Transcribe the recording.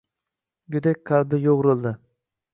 Go’dak qalbi yo’g’rildi.